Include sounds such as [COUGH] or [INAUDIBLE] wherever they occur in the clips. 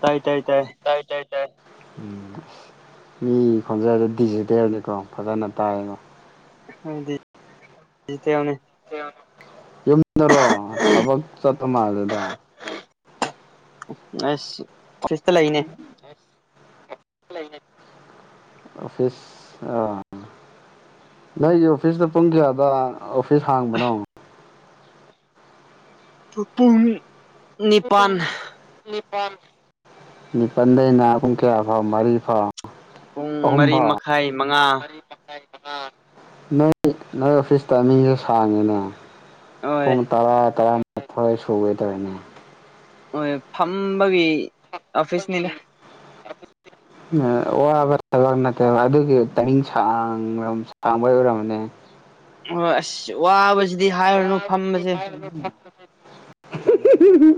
ꯇꯥꯏ ꯇꯥꯏ ꯇꯥꯏ ꯎꯝ ꯃꯤ ꯈꯣꯟꯖꯦꯜꯗ ꯗꯤꯖꯤꯇꯦꯜꯅꯤꯀꯣ ꯐꯖꯅ ꯇꯥꯏꯌꯦꯅꯣ ꯑꯗꯨ ꯌꯨꯝꯗꯔꯣ ꯊꯕꯛ ꯆꯠꯇ ꯃꯥꯜꯂꯦꯗ ꯑꯁꯤ ꯂꯩ ꯑꯣꯐꯤꯁ ꯑꯥ ꯅꯪꯒꯤ ꯑꯣꯐꯤꯁꯇ ꯄꯨꯡ ꯀꯌꯥꯗ ꯑꯣꯐꯤꯁ ꯍꯥꯡꯕꯅꯣ꯫ ꯄꯨꯡ ꯅꯤꯄꯜ꯫ ꯅꯤꯄꯟ ꯅꯤꯄꯟꯗꯩꯅ ꯄꯨꯡ ꯀꯌꯥ ꯐꯥꯎ ꯃꯔꯤ ꯐꯥꯎ꯫ ꯄꯨꯡ ꯃꯔꯤ ꯑꯍꯨꯝꯕꯥꯑꯣ ꯃꯈꯥꯏ ꯃꯉꯥ ꯅꯣꯏ ꯅꯣꯏ ꯑꯣꯐꯤꯁ ꯇꯥꯏꯃꯤꯡꯁꯦ ꯁꯥꯡꯉꯦꯅꯦ꯫ ꯍꯣꯏ ꯄꯨꯡ ꯇꯥꯔꯥ ꯇꯔꯥꯃꯊꯣꯏ ꯁꯨꯒꯦꯗꯥꯏꯅꯦ ꯍꯣꯏ ꯐꯝꯕꯒꯤ꯫ ꯑꯣꯐꯤꯁꯅꯤꯗ ꯋꯥꯕꯥ꯫ ꯊꯕꯛ ꯅꯠꯇꯕ ꯑꯗꯨꯒꯤ ꯇꯥꯏꯃꯤꯡ ꯁꯥꯡ ꯁꯥꯡꯕ ꯑꯣꯏꯔꯕꯅꯦ꯫ ꯑꯣ ꯑꯁ ꯋꯥꯕꯁꯤꯗꯤ ꯍꯥꯏꯔꯨꯅꯨ ꯐꯝꯕꯁꯦ꯫ ꯍꯨꯍꯤ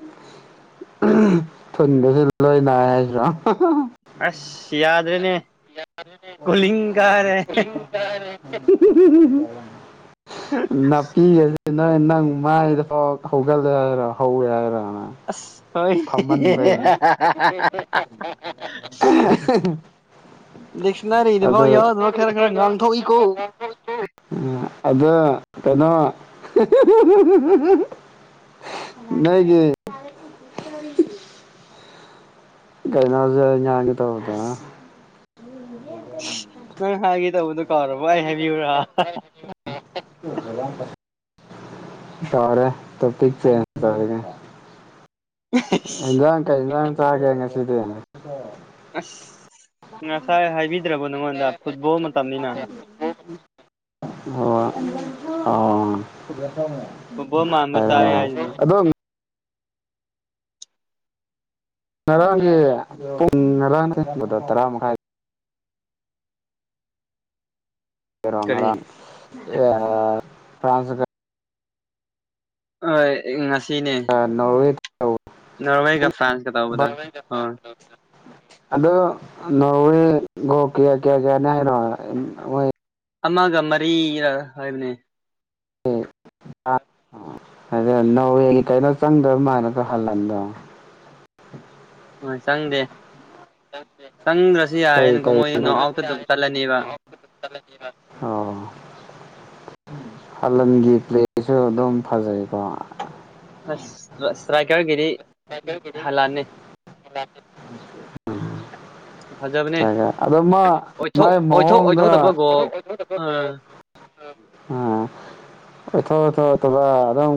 ꯊꯨꯟꯗꯁꯨ ꯂꯣꯏ ꯅꯥꯏ ꯍꯥꯏꯁꯤꯔꯣ ꯑꯁ ꯌꯥꯗ ꯔꯦꯅꯦ ꯀꯣꯂꯤꯡꯒꯥꯔꯦ ꯅꯥꯄꯤ ꯅꯣꯏ ꯅꯪ ꯃꯥꯏꯗꯐꯥꯎ ꯍꯧꯒꯂꯦ ꯍꯥꯏꯔꯣ ꯍꯧꯋꯦ ꯍꯥꯏꯔꯣ꯫ ꯑꯁ ꯍꯦꯍꯦ ꯗꯤꯛꯁꯅꯔꯔꯤꯗꯐꯥꯎ ꯑꯗꯨ ꯌꯥꯎꯗꯕꯥ ꯈꯔ ꯈꯔꯒꯥꯟ ꯉꯪꯊꯣꯛ ꯏꯀꯣ꯫ ꯑꯗ ꯀꯩꯅꯣ ꯅꯒꯤ ꯀꯩꯅꯩꯅ ꯇꯧ ꯅꯪ ꯍꯥꯏꯒꯦ ꯇꯧꯕꯗꯣ ꯀꯥꯎꯔꯕ ꯑꯩ ꯍꯥꯏꯕꯤꯌꯨ꯭ꯔꯥ ꯇꯔꯦ ꯇꯣꯄꯤ ꯆ ꯇꯔꯒꯦ ꯏꯟ ꯁꯥꯡ ꯀꯩꯁꯥꯡ ꯆꯒꯦ ꯉꯁꯤꯗꯤ꯫ ꯑꯁ ꯉꯁꯥꯏ ꯍꯥꯏꯕꯤꯗ꯭ꯔꯕ ꯑꯣ ꯑꯣ ꯐꯨꯠꯕꯣꯜ ꯃꯥꯟꯕ ꯆꯥꯏ ꯍꯥꯏꯁꯤꯅꯤ ꯑ ꯑꯗꯨꯗꯣ ꯉꯔꯥꯡꯒꯤ ꯄꯨꯡ ꯉꯔꯥꯡ ꯇꯔꯥ ꯃꯈꯥꯏ ꯑꯣꯏꯔꯕ ꯀꯔꯤ ꯉꯔꯥꯡ ꯐ꯭ꯔꯥꯟꯁ ꯍꯣꯏ ꯉꯁꯤꯅꯦ ꯅꯣꯎꯋꯦ ꯅꯣꯔꯋꯦꯒ ꯐ꯭ꯔꯥꯟꯁꯀ ꯇꯧꯕꯗꯣ ꯍꯣꯏ ꯑꯗꯣ ꯅꯧꯑꯦ ꯒꯣꯜ ꯀꯦꯌꯥ ꯀꯌꯥ ꯍꯥꯏꯅꯣ꯫ ꯑꯃꯒ ꯃꯔꯤꯒ ꯍꯥꯏꯕꯅꯦ꯫ ꯎꯝ꯫ ꯅꯧꯦ ꯀꯩꯅꯣ ꯆꯪꯗꯕ ꯃꯥꯅꯁꯨ ꯍꯜꯂꯟꯗꯣ꯫ ꯎ ꯆꯪꯗꯦ꯫ ꯆꯪꯗ꯭ꯔꯁꯨ ꯀꯩ ꯌꯥꯔꯦꯅꯀꯣ ꯀꯩ ꯃꯣꯏ ꯅꯣ ꯑꯥꯎꯠꯇ ꯑꯗꯨꯝ ꯆꯠꯂꯅꯦꯕ꯫ ꯑꯣ꯫ ꯍꯂꯟꯒꯤ ꯄ꯭ꯂꯦꯁꯨ ꯑꯗꯨꯝ ꯐꯖꯩꯀꯣ꯫ ꯑꯁ ꯁꯇꯔꯥꯏꯀꯥꯒꯤꯗꯤ ꯒꯒꯤꯗꯤ ꯐꯖꯕꯅꯦ ꯑꯗꯨꯗ ꯃꯥ ꯑꯣꯏꯊꯣꯛ ꯃꯥꯏ ꯑꯣꯏꯊꯣꯛ ꯃꯑꯣꯡꯗ ꯑꯣꯏꯊꯣꯛꯇꯕ ꯒꯣꯜ ꯑꯥ ꯎꯝ ꯑꯣꯊꯣꯊꯇ ꯑꯗꯨꯝ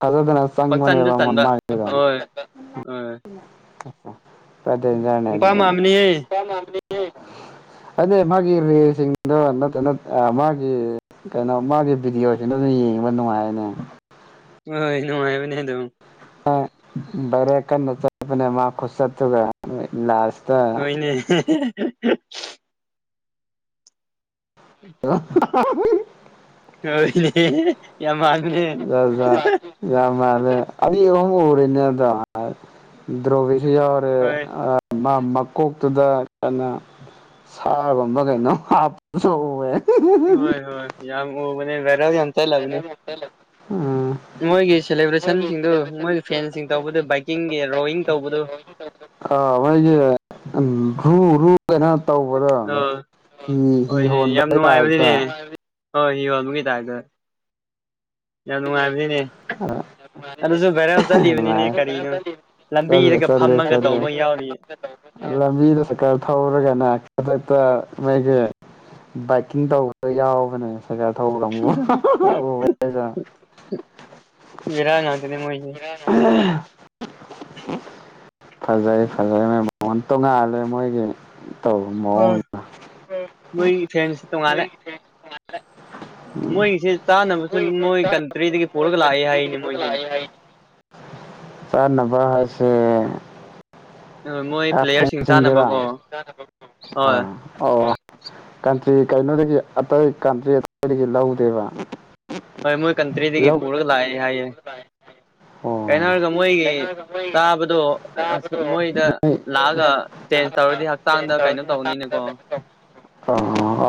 ꯈꯖꯔꯗꯅ ꯄꯪꯆꯟꯗ ꯆꯥꯡꯕꯅꯦꯕ ꯆꯟꯕ ꯃꯥ ꯍꯣꯏ ꯍꯣꯏ ꯄꯗꯖꯅꯦꯗ ꯅꯤ ꯑꯗꯩꯩ ꯃꯥꯒꯤ ꯔꯤꯜꯁꯤꯡꯗꯣ ꯅꯠꯇꯅ ꯃꯥꯒꯤ ꯀꯩꯅꯣ ꯃꯥꯒꯤ ꯚꯤꯗꯤꯑꯣꯅ ꯌꯦꯡꯕ ꯅꯨꯡꯉꯥꯏꯔꯅꯦ ꯍꯣꯏꯣꯏ ꯅꯨꯡꯉꯥꯏꯕꯅꯦ ꯑꯗꯨꯝ꯫ ꯔꯦ ꯕꯥꯏꯔꯦꯜ ꯀꯟꯅ ꯆꯇꯄꯅꯦ ꯃꯥ ꯈꯨꯆꯇꯨꯒ ꯂꯥꯁ ꯍꯣꯏ ꯅꯦ [UNINTELLIGIBLE] ꯍꯣꯏꯅꯦ ꯌꯥꯝ ꯃꯥꯟꯕꯅꯦ ꯌꯥ ꯌꯥꯦ [UNINTELLIGIBLE] [INAUDIBLE] ꯍꯨꯝ ꯎꯔꯤꯅꯦꯗ ꯗ꯭ꯔꯣꯕꯤꯁꯨ ꯌꯥꯎꯔꯦ ꯍꯣꯏ ꯃꯀꯣꯛꯇꯨꯗ ꯀꯩꯅ ꯁꯥꯒꯨꯝꯕ ꯀꯩꯅꯣ ꯍꯥꯞꯄꯁꯨ ꯎꯑꯦ ꯍꯣꯏ ꯍꯣꯏ ꯌꯥꯝ ꯃꯨꯔꯕꯅꯦ ꯚꯥꯏꯔꯦꯜ ꯌꯥꯝ ꯆꯂꯕꯅꯤ ꯎꯝ ꯃꯣꯏꯒꯤ ꯁꯦꯂꯦꯕ꯭ꯔꯦꯁꯟꯁꯤꯡꯗꯨ ꯃꯣꯏꯒꯤ ꯐ꯭ꯔꯦꯟꯁꯤꯡ ꯇꯧꯕꯗꯨ ꯕꯥꯏꯛꯀꯤꯡꯒꯤ ꯔꯣꯋꯤꯡ ꯇꯧꯕꯗꯨ ꯑ ꯃꯣꯏꯒꯤ ꯔꯨ ꯔꯨ ꯀꯩꯅꯣ ꯇꯧꯕꯗꯣ ꯑ ꯍꯤ ꯍꯤ ꯍꯣꯏꯅꯦ ꯍꯣꯟꯕ ꯇꯥꯏꯞꯇ ꯍꯤ ꯍꯣꯟꯕꯒꯤ ꯇꯥꯏꯞꯇ [UNINTELLIGIBLE] [INAUDIBLE] ꯌꯥꯝ ꯅꯨꯡꯉꯥꯏꯕꯅꯤꯅꯦ ꯑꯗꯨꯁꯨ ꯚꯥꯏꯔꯦꯜ ꯆꯠꯂꯤꯕꯅꯤꯅꯦ ꯀꯔꯤꯅꯣ ꯂꯝꯕꯤꯗꯒ ꯆꯠꯂꯦ ꯐꯝꯃꯒ ꯆꯂꯦ ꯇꯧꯕ ꯌꯥꯎꯔꯤ ꯂꯝꯕꯤꯗ ꯁꯀꯔ ꯊꯧꯔꯒꯅ ꯈꯨꯗꯛꯇ ꯃꯣꯏꯒꯤ ꯕꯥꯏꯛꯀꯤꯡ ꯇꯧꯕꯗ ꯌꯥꯎꯕꯅꯦ ꯄꯩꯁꯥ ꯊꯧꯕꯒ ꯀꯥꯡꯒꯨ ꯏꯔꯥꯡ ꯉꯥꯛꯇꯅꯤ ꯃꯣꯏꯁꯤ ꯑꯍꯥ ꯐꯖꯩ ꯐꯖꯩ ꯃ ꯃꯣꯟ ꯇꯣꯡꯉꯥꯜꯂꯦ ꯃꯣꯏꯒꯤ ꯇ ꯃꯑꯣꯡꯗꯣ ꯃꯣꯏ ꯐꯦꯟꯁꯤ ꯃꯣꯏꯁꯦ ꯇꯥꯅꯕꯁꯨ ꯗꯨꯝ ꯃ ꯀꯟꯇ꯭ꯔꯤꯗꯒꯤ ꯄꯔꯀ ꯂꯥꯛꯑ ꯍꯥꯏꯅꯦ ꯃꯣꯏꯗꯤ ꯆꯥꯅꯕ [UNINTELLIGIBLE] ꯃꯣꯏ ꯄ꯭ꯂꯦꯌꯔꯁꯤꯡ [INAUDIBLE] ꯆꯥꯅꯕꯀꯣ ꯍꯣꯏ ꯁꯤ ꯀꯩꯅꯣꯗꯒꯤ ꯑꯇꯩ ꯀꯟꯇ꯭ꯔꯤ ꯑꯏꯗꯒꯤ ꯂꯧꯗꯦꯕ ꯍꯣꯏ ꯃꯣꯏ ꯀꯟꯇ꯭ꯔꯤꯗꯤꯒꯤ ꯂꯧ ꯄꯨꯔꯒ ꯂꯥꯛꯑ ꯍꯥꯏꯦ ꯑꯣ ꯀꯩꯅꯣ ꯍꯥꯏꯔꯒ ꯃꯣꯏꯒꯤ ꯆꯥꯕꯗꯣ ꯃꯣꯏꯗ ꯅꯣꯏ ꯂꯥꯛꯑꯒ ꯆꯦꯟꯖ ꯇꯧꯔꯗꯤ ꯍꯛꯆꯥꯡꯗ ꯀꯩꯅꯣ ꯇꯧꯅꯤꯅꯀꯣ ꯑꯣ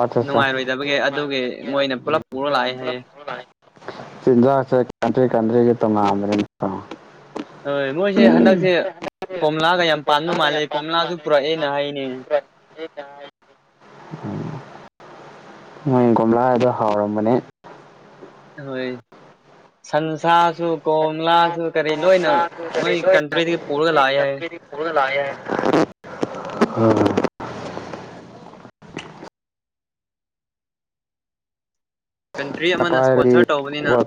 ꯑꯠꯆꯥ ꯑꯠꯆꯥ ꯅꯨꯡꯉꯥꯏꯔꯣꯏꯗꯕꯒꯤ ꯑꯗꯨꯒꯤ ꯃꯣꯏꯅ ꯄꯨꯂꯞ ꯄꯨꯔ ꯂꯥꯛꯑꯦ ꯍꯥꯏꯌꯦ ꯆꯤꯟꯖꯥꯛꯁꯦ ꯀꯥꯟꯇ꯭ꯔꯤ ꯀꯥꯟꯇ꯭ꯔꯤꯒꯤ ꯇꯣꯉꯥꯜꯂꯦꯌꯦꯀꯣ ꯍꯣꯏ ꯃꯣꯏꯁꯦ ꯍꯟꯗꯛꯁꯦ ꯀꯣꯝꯂꯥꯒ ꯌꯥꯝ ꯄꯥꯟꯕ ꯃꯥꯜꯂꯦ ꯀꯣꯝꯂꯥꯁꯨ ꯄꯨꯔꯛꯑꯦꯅ ꯍꯥꯏꯅꯦ ꯃꯣꯏ ꯀꯒꯣꯝꯂꯥꯗꯣ ꯍꯥꯎꯔꯝꯕꯅꯦ ꯍꯣꯏ ꯁꯟꯁꯥ ꯁꯨ ꯀꯣꯝꯂꯥꯁꯨ ꯀꯔꯤ ꯂꯣꯏꯅ ꯃꯣꯏ ꯀꯟꯇ꯭ꯔꯤꯗꯒꯤ ꯄꯨꯔꯒ ꯂꯥꯛꯑ ꯌꯥꯏ ꯂꯥꯑꯦ ꯀꯟꯇ꯭ꯔꯤ ꯑꯃꯅ ꯑꯄꯥꯗꯤ ꯏꯁꯄꯣꯟꯁꯔ ꯇꯧꯕꯅꯤꯅ ꯋꯥ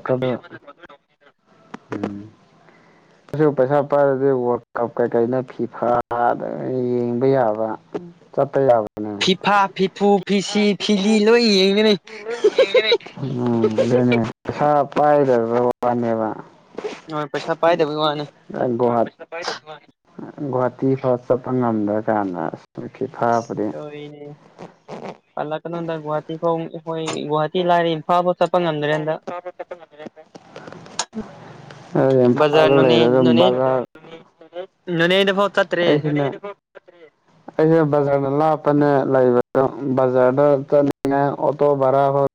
ꯑ ꯄꯩꯁꯥ ꯄꯥꯏꯔꯗꯤ ꯋꯥꯔꯜ ꯀꯞ ꯀꯩꯀꯩꯅ ꯐꯤ ꯐꯗ ꯌꯦꯡꯕ ꯌꯥꯕ ꯆꯠꯠꯇꯇꯩ ꯌꯥꯕ ꯐꯤꯐꯥ ꯐꯤꯐꯨ ꯐꯤꯁꯤ ꯐꯤꯂꯤ ꯂꯣꯏ ꯌꯦꯡꯒꯅꯤ ꯎ ꯄꯩꯁꯥ ꯄꯥꯏꯗ ꯋꯥꯅꯦꯕ ꯍꯣꯏ ꯄꯩꯁꯥ ꯄꯥꯏꯗꯕꯒꯤ ꯋꯥꯅꯦ ꯑꯒꯨꯍꯥ ꯒꯨꯍꯥꯇꯤ ꯐꯥꯎ ꯆꯠꯄ ꯉꯝꯗ꯭ꯔꯀꯥꯟꯗ ꯑ ꯐ ꯐꯥꯕꯗꯤ ꯄꯜꯂꯛꯀꯩꯅꯣꯗ ꯒꯨꯍꯥꯇꯤ ꯐꯥꯎ ꯑꯩꯈꯣꯏ ꯒꯨꯍꯥꯇꯤ ꯂꯥꯏꯔꯤ ꯏꯝꯐꯥꯜ ꯐꯥꯎ ꯒꯨꯍꯥꯇꯤ ꯂꯥꯏꯔꯤ ꯏꯝꯐꯥꯜꯐꯥꯎ ꯆꯠꯄ ꯆꯇꯄ ꯉꯝꯗꯔꯦ ꯑ ꯌꯥꯝ ꯐꯥꯎ ꯕꯖꯥꯔ ꯅꯣꯅꯦ ꯂꯩ ꯑꯗꯨ ꯅꯣꯅꯦ ꯅꯣꯅꯦꯗꯐꯥꯎ ꯆꯠꯇ꯭ꯔꯦ ꯑꯩ ꯑꯩ ꯕꯖꯔ ꯅꯂꯥꯅ ꯂꯥꯛꯕ ꯕꯖꯔꯗ ꯆꯇꯅꯤꯉꯥꯏ ꯑꯣꯇꯣ ꯕꯧ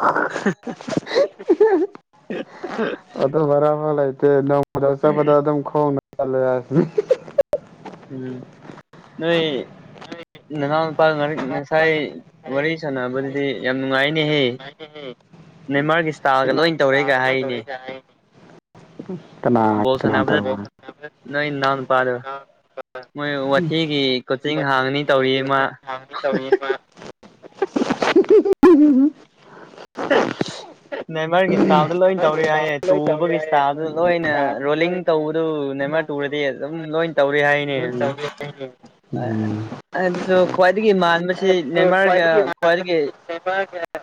[UNINTELLIGIBLE] ꯅꯃꯗ ꯆꯠꯄꯗ ꯑꯗꯨꯝ ꯈꯣꯡꯅ ꯆꯠꯂꯁꯤꯅꯤ [INAUDIBLE] ꯎꯝ ꯅꯣꯏ ꯅꯅꯥꯎ ꯅꯨꯄꯥ ꯉ ꯉꯁꯥꯏ ꯋꯥꯔꯤ ꯁꯥꯟꯅꯕꯗꯨꯗꯤ ꯌꯥꯝ ꯅꯨꯡꯉꯥꯏꯅꯦꯍꯦ ꯅꯦꯟꯃꯥꯔꯒꯤ ꯏꯁꯇꯥꯜꯒ ꯂꯣꯏ ꯇꯧꯔꯦ ꯍꯥꯏꯔꯤꯅꯦ ꯀꯅꯥ ꯕꯣꯜ ꯀꯅꯥ ꯁꯥꯟꯅꯕꯗ ꯇꯧꯕ ꯅꯣꯏ ꯅꯥꯎꯄꯥꯗꯣ ꯃꯣꯏ ꯋꯥꯊꯤꯒꯤ ꯀꯣꯆꯤꯡ ꯍꯥꯡꯅꯤ ꯇꯧꯔꯤꯌꯦ ꯃꯥ ꯍꯥꯡꯅꯤ ꯇꯧꯔꯤꯌꯦ ꯃꯥ [UNINTELLIGIBLE] ꯅꯦꯃꯔꯒꯤ ꯏꯁꯇꯥꯥꯏꯜꯗꯨ ꯂꯣꯏ ꯇꯧꯔꯤ ꯍꯥꯏꯌꯦ ꯇꯨꯕꯒꯤ ꯏꯁꯇꯥꯥꯏꯜꯗꯨ ꯂꯣꯏꯅ ꯔꯣꯂꯤꯡ ꯇꯧꯕꯗꯨ ꯅꯦꯃꯥꯔ ꯇꯨꯔꯗꯤ ꯑꯗꯨꯝ ꯂꯣꯏ ꯇꯧꯔꯤ ꯍꯥꯏꯅꯤ ꯎꯝ ꯑꯗꯨꯁꯨ ꯈ꯭ꯋꯥꯏ ꯃꯥꯟꯕꯁꯤ ꯅꯦꯃꯥꯔꯒ ꯈ꯭ꯋꯥꯏꯗꯒꯤ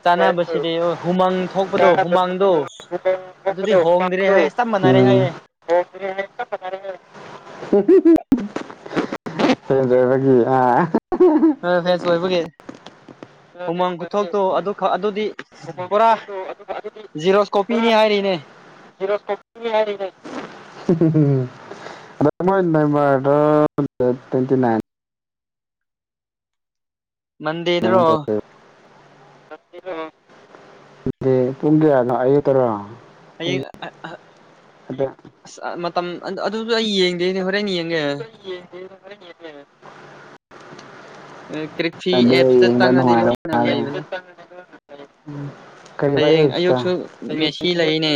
ꯆꯥꯟꯅꯕꯁꯤ ꯁꯤꯗꯤ ꯍꯨꯃꯥꯡ ꯊꯣꯛꯄꯗꯣ ꯍꯨꯃꯥꯡꯗꯣ ꯑꯗꯨꯗꯤ ꯍꯣꯡꯗ꯭ꯔꯦ ꯍꯥꯏꯌꯦ ꯆꯞ ꯃꯥꯟꯅꯔꯦ ꯍꯥꯏꯌꯦ [UNINTELLIGIBLE] ꯍꯦꯟꯗꯕꯒꯤ ꯍꯥ [UNINTELLIGIBLE] ꯑꯣꯏꯕꯒꯤ ꯍꯨꯃꯥꯡ ꯈꯨꯊꯣꯛꯇꯣ ꯑꯗꯨ ꯑꯗꯨꯗꯤ ꯄꯨꯔꯥ ꯖꯤꯔꯣꯛꯁ ꯀꯣꯄꯤꯅꯤ ꯍꯥꯏ ꯔꯤꯅꯦ [UNINTELLIGIBLE] [UNINTELLIGIBLE] ꯅꯦꯃꯥꯔꯗꯣ ꯇ꯭ꯋꯦꯟꯇꯤ ꯅꯥꯏꯟ ꯃꯟꯗꯦꯗꯔꯣ ꯗꯤ ꯄꯨꯡꯀꯌꯥꯅꯣ ꯑꯌꯨꯛ ꯇꯔꯣ ꯍꯌꯦꯡ ꯃꯇꯝ ꯑꯗꯨ ꯑꯩ ꯌꯦꯡꯗꯦꯅꯦ ꯍꯣꯔꯦꯟ ꯌꯦꯡꯒꯦ [UNINTELLIGIBLE] ꯀ꯭ꯔꯤꯛꯐꯤ ꯑꯗꯣ ꯑꯦꯞꯁꯇ ꯌꯦꯡꯕ ꯆꯪꯉꯗꯤ ꯅꯨꯡꯉꯥꯏꯗꯧ ꯂꯣꯏꯅ ꯂꯩꯕꯅꯦ [UNINTELLIGIBLE] ꯎꯝ ꯀꯔꯤꯕ ꯍꯌꯦꯡ ꯑꯌꯨꯛꯁꯨ ꯑꯦꯞꯁꯇꯣ ꯃꯦꯁꯤ ꯍꯌꯦꯡ ꯑꯌꯨꯛꯁꯨ ꯂꯩꯅꯦ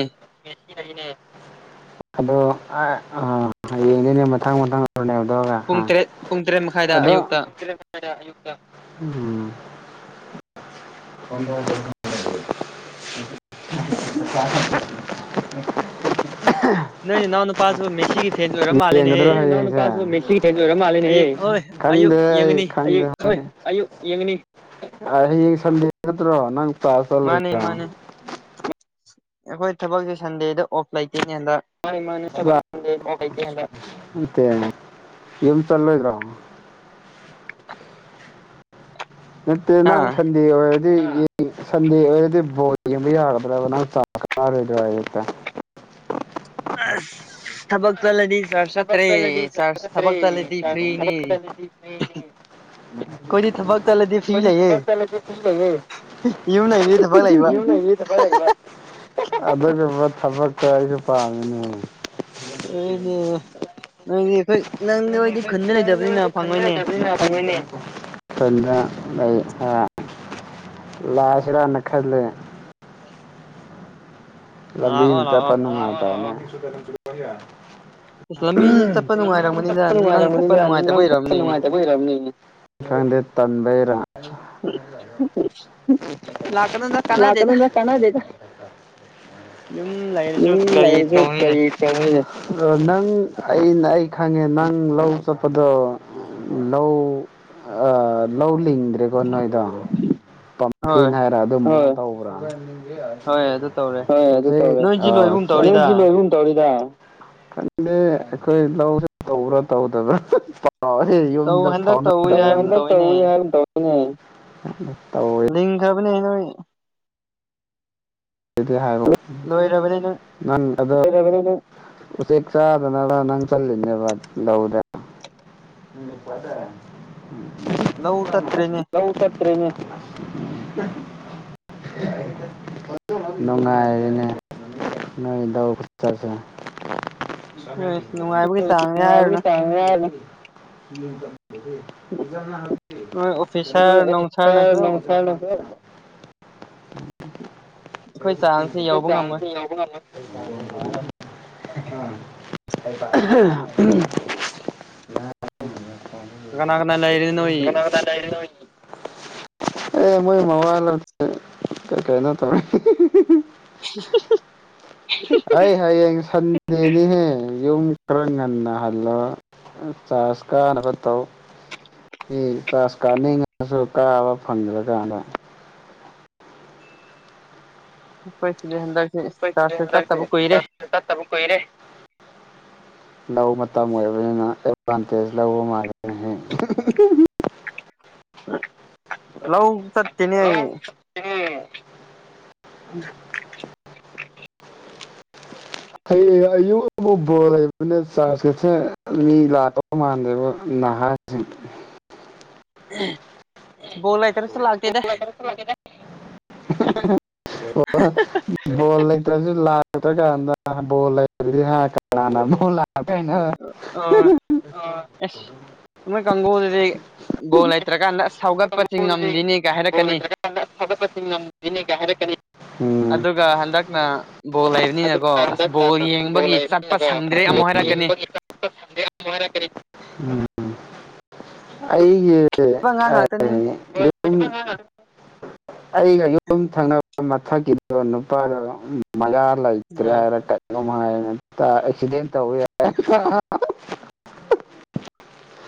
[UNINTELLIGIBLE] [UNINTELLIGIBLE] ꯑꯗꯣ ꯑ ꯍꯌꯦꯡꯗꯩꯅꯦ ꯃꯊꯪ ꯃꯊꯪ ꯔꯣꯅꯥꯜꯗꯣꯒ ꯄꯨꯡ ꯍꯥ ꯇꯔꯦꯠ ꯄꯨꯡ ꯇꯔꯦꯠ ꯃꯈꯥꯏꯗ ꯑꯗꯣ ꯑꯌꯨꯛꯇ [UNINTELLIGIBLE] [UNINTELLIGIBLE] ꯌꯦꯡꯒꯗ꯭ꯔꯣ ꯅꯣꯏ ꯅꯅꯥꯎ ꯅꯨꯄꯥꯁꯨ ꯃꯦꯁꯤꯒꯤ ꯐꯦꯟꯁ ꯑꯣꯏꯔ ꯃꯥꯜꯂꯦꯅꯦꯍꯦ ꯅꯣꯏ ꯅꯅꯥꯎ ꯅꯨꯄꯥꯗꯣ ꯃꯦꯁꯤꯒꯤ ꯐꯦꯟ ꯑꯣꯏꯔ ꯃꯥꯜꯂꯦ ꯅꯦꯍꯦ ꯑꯌꯨꯛ ꯍꯣꯏ ꯑꯌꯨꯛ ꯗꯦ ꯑꯩ ꯌꯦꯡꯒꯅꯤ ꯈꯪꯗꯦ [UNINTELLIGIBLE] ꯍꯌꯦꯡ ꯁꯟꯗꯦ ꯅꯠꯇ꯭ꯔꯣ ꯅꯪ ꯀ꯭ꯂꯥꯁ ꯃꯥꯅꯦ ꯃꯥꯅꯦ ꯑꯩꯈꯣꯏ ꯊꯕꯛꯁꯦ ꯁꯟꯗꯦꯗ ꯑꯣꯐ ꯂꯩ [UNINTELLIGIBLE] [UNINTELLIGIBLE] ꯌꯨꯝ ꯆꯜꯂꯣꯏꯗ꯭ꯔꯣ ꯅꯠꯇꯦ ꯍꯥ ꯅꯪ ꯁꯟꯗꯦ ꯑꯣꯏꯔꯗꯤ ꯁꯟꯗꯦ ꯑꯣꯏꯔꯗꯤ ꯕꯣꯜ ꯌꯦꯡꯕ ꯌꯥꯒꯗ꯭ꯔꯕ ꯅꯪ [UNINTELLIGIBLE] ꯍꯌꯦꯡꯁꯦ ꯑꯁ ꯊꯕꯛ ꯆꯠꯂꯗꯤ ꯆꯔ꯭ꯖ ꯆꯠꯇ꯭ꯔꯦ ꯆꯔ꯭ꯖ ꯊꯕꯛ ꯆꯠꯂꯗꯤ ꯐ꯭ꯔꯤꯅꯦ ꯑꯈꯣꯏꯗꯤ ꯊꯕꯛ ꯆꯠꯂꯗꯤ ꯐ꯭ꯔꯤ ꯂꯩꯌꯦ ꯌꯨꯝ ꯂꯩꯔꯗꯤ ꯊꯕꯛ ꯂꯩꯕ [UNINTELLIGIBLE] ꯑꯗꯨꯒꯨꯝꯕ ꯊꯕꯛꯇ ꯑꯩꯁꯨ ꯄꯥꯝꯃꯤꯅꯦ ꯅꯣꯏꯗꯤ ꯅꯣꯏꯗꯤ ꯑꯩꯈꯣꯏ ꯅꯪ ꯈꯨꯟꯗ ꯂꯩꯇꯕꯅꯤꯅ ꯐꯪꯉꯣꯏꯅꯦ [UNINTELLIGIBLE] ꯑ ꯂꯥꯛꯑꯁꯤꯔꯅ ꯈꯜꯂꯦ ꯂꯥꯛꯑꯣ ꯂꯝꯕꯤꯅ ꯆꯠꯄ ꯂꯥꯛꯑꯣ ꯅꯨꯡꯉꯥꯏꯇꯝꯅꯦ ꯑꯁ ꯂꯝꯕꯤꯗꯤ ꯆꯠꯄ ꯂꯝꯕꯤꯗꯤ ꯅꯨꯡꯉꯥꯏꯔꯝꯒꯅꯤꯗ ꯆꯠꯄ ꯅꯪ ꯆꯠꯄ ꯅꯨꯡꯉꯥꯏꯔꯝꯃꯅꯤꯅꯦ ꯅꯨꯡꯉꯥꯏꯇꯕ ꯅꯪ ꯆꯠꯄ ꯑꯣꯏꯔꯝꯅꯤ ꯅꯨꯡꯉꯥꯏꯇꯕꯩ ꯑꯣꯏꯔꯝꯅꯤ ꯈꯪꯗꯦ ꯇꯟꯕꯩꯔꯥ ꯂꯥꯛꯀꯅꯨꯗ ꯀꯥꯟꯅꯗꯦꯗ ꯂꯥꯛꯀꯗꯅꯨꯗ ꯀꯥꯟꯅꯗꯦꯗ ꯌꯨꯝ ꯃꯤ ꯂꯩꯔꯁꯨ ꯀꯔꯤ ꯂꯩꯔꯁꯨ ꯇꯧꯅꯤꯅꯦ ꯀꯩ [UNINTELLIGIBLE] ꯑ ꯅꯪ ꯑꯩꯅ ꯑꯩ ꯈꯪꯉꯦ ꯅꯪ ꯂꯧ ꯆꯠꯄꯗꯣ [UNINTELLIGIBLE] ꯇꯤꯡꯗ꯭ꯔꯦꯀꯣ ꯅꯣꯏꯗ ꯍꯣꯏ ꯄꯝꯐꯦꯟ ꯍꯥꯏꯔ ꯑꯗꯨꯃꯥꯏꯅ ꯇꯧꯕ꯭ꯔꯥ ꯑꯗꯨ ꯇꯧꯔꯦ ꯍꯣꯏ ꯑꯗꯨ ꯇꯔꯦ ꯅꯣꯏꯁꯤ ꯂꯣꯏꯕꯒꯨꯝ ꯇꯧꯔꯤꯗ ꯅꯣꯏꯁꯤ ꯂꯣꯏꯒꯨꯝ ꯇꯧꯔꯤꯗ ꯈꯟꯗꯦ ꯑꯩꯈꯣꯏ ꯂꯧ ꯇꯧꯕ꯭ꯔꯥ ꯇꯧꯗꯕ꯭ꯔꯥ ꯥꯎꯦ ꯇꯧ ꯌꯨꯝꯗ ꯍꯟꯗꯛ ꯐꯥꯎꯧ ꯇꯧꯋꯤ ꯍꯥꯏꯒꯨꯝ ꯇꯧꯋꯤꯅꯦ ꯇꯅꯦ ꯂꯒꯥꯕꯅꯦꯅ ꯁꯤ ꯍꯥꯏꯔꯣ ꯂꯣꯏꯔꯕꯅꯦ ꯅꯣꯏ ꯅꯪ ꯑ ꯎꯆꯦꯛ ꯆꯥꯗꯅꯕ ꯅꯪ ꯆꯜꯂꯤꯅꯦꯕ ꯂꯧꯗꯦ ꯎꯝ ꯏꯄꯗ ꯌꯥ ꯑꯁ ꯂꯧ ꯆꯠꯇ꯭ꯔꯦꯅꯦ ꯁꯠꯇ꯭ꯔꯦꯅꯦ [UNINTELLIGIBLE] ꯅꯨꯡꯣꯡꯉꯥꯏꯔꯤꯅꯦ ꯅꯣꯏ ꯗ ꯈꯨ ꯆꯁꯦ ꯅꯣꯏ ꯑꯁ ꯅꯨꯡꯉꯥꯏꯕꯒꯤ ꯆꯥꯡꯅꯤ ꯍꯥꯏꯔꯨꯅꯨ ꯇꯥꯡꯉ ꯅꯣꯏ ꯑꯣꯐꯤꯁꯥꯔ ꯅꯨꯡꯁꯥꯔꯅ ꯈꯔ ꯅꯪ ꯁꯔ ꯅꯣꯡꯔ ꯎꯝ ꯌꯥꯕ ꯉ [UNINTELLIGIBLE] ꯀꯅꯥ ꯀꯅꯥ ꯂꯩꯔꯤ ꯅꯣꯏ ꯍꯥꯏ ꯑꯦ ꯃ ꯃ ꯋꯥꯏ ꯀ ꯀꯩꯅ ꯇꯧ ꯑꯩ ꯍꯌꯦꯡ ꯁꯟ ꯅꯅꯤ ꯍꯦ ꯌꯧ ꯈꯔꯒꯅ ꯍꯜꯂꯣ ꯆꯔꯥꯁꯀꯥꯅꯕ ꯇꯧ ꯄꯥꯁ ꯀꯥꯅꯤꯡꯉꯁꯨ ꯀꯥꯕ ꯐꯪꯗ꯭ꯔꯀꯥꯟꯗ ꯄꯣꯏꯁꯤꯦ ꯍꯟꯗ ꯀꯣꯏꯁꯤꯦ ꯆꯠꯇꯕꯨ ꯀꯏꯔꯦ ꯂꯍ ꯃꯇꯥ ꯃ ꯂꯩꯅ ꯑꯦꯚꯥꯟꯇꯦꯁ ꯂꯍ ꯃꯥꯔ [UNINTELLIGIBLE] ꯂꯎ ꯆꯠꯇꯅꯤ ꯎ ꯍꯌꯦ ꯑꯌꯨꯕꯨ ꯕꯣꯔ ꯂꯩꯕꯅꯦ ꯆꯥꯔꯁꯦ ꯃꯤ ꯂꯥꯛꯇꯧꯕ ꯃꯥꯟꯗꯦꯕ ꯅꯍꯥꯁꯤꯡ ꯣꯂꯦ ꯇꯔꯁ ꯂꯥꯛꯇꯗ ꯑꯣ ꯍꯣ ꯂꯩ ꯂꯥꯛꯇ꯭ꯔ ꯀꯥꯟꯗ ꯂꯩ ꯑ ꯑꯁ ꯃꯣꯏ ꯀꯥꯡꯒꯨꯁꯤꯗꯤ ꯕꯣꯜ ꯂꯩꯇ꯭ꯔꯀꯥꯟꯗ ꯑꯁ ꯁꯥꯎꯒꯠꯄꯁꯤ ꯉꯝꯗꯅꯤ ꯣꯠꯇ꯭ꯔ ꯀ ꯐꯗꯄꯅꯤꯒ ꯍꯥꯏꯔ ꯀꯅꯤ ꯑꯗꯨꯒ ꯍꯟꯗꯛꯅ ꯕꯣꯜ ꯂꯩꯕꯅꯤꯅꯀꯣ ꯑꯁ ꯕꯣꯜ ꯌꯦꯡꯕꯒꯤ ꯆꯠꯄ ꯁꯪꯗ꯭ꯔꯦ ꯑꯃꯨꯛ ꯍꯥꯏꯔꯛꯀꯅꯤ ꯑꯩꯒꯤ ꯑꯉꯥꯡ ꯉꯥꯛꯇꯅꯤ ꯑꯩ ꯊꯪꯅꯕ ꯃꯊꯛꯀꯤꯗꯣ ꯅꯨꯄꯥꯗ ꯃꯌꯥꯥ ꯂꯩꯇ꯭ꯔꯦ ꯎꯝ ꯍꯥꯏꯔ ꯀꯃꯥꯏꯅ ꯑꯦꯛꯁꯤꯗꯦꯟ ꯇꯧꯕ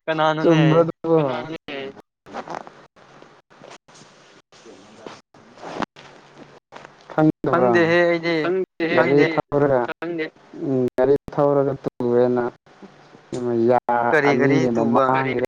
ꯀ ꯅꯅꯅꯦ ꯑꯣ ꯈꯪꯗꯕ꯭ꯔꯥ ꯈꯪꯗꯦꯍꯦ ꯑꯩꯗꯤ ꯈꯪꯗꯦ ꯒꯥꯔꯤ ꯊꯧꯔꯒ ꯎꯝ ꯒꯥꯔꯤ ꯊꯧꯔꯒ ꯇꯦꯅ ꯌꯥ ꯀꯔꯤ ꯀꯔꯤ ꯑꯅꯤꯒꯤ ꯃꯃꯥ ꯇꯨꯕ ꯍꯔꯦꯟ